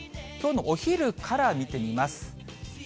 きょうのお昼から見てみます。